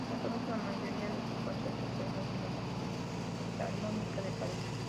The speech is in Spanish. Actualmente, la mayoría de sus conciertos se ofrecen en la Filarmónica de París.